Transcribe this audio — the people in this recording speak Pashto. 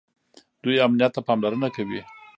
دوی امنیت ته پاملرنه کوي.